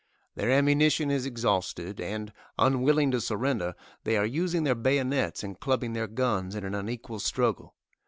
Their ammunition is exhausted, and, unwilling to surrender, they are using their bayonets and clubbing their guns in an unequal struggle.